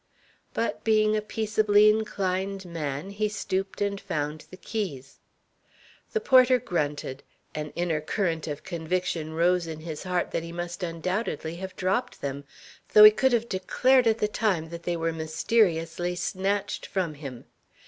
But, being a peaceably inclined man, he stooped and found the keys. The porter grunted. An inner current of conviction rose in his heart that he must undoubtedly have dropped them, though he could have declared at the time that they were mysteriously snatched from him.